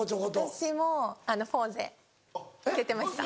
私も『フォーゼ』出てました。